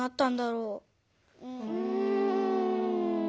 うん。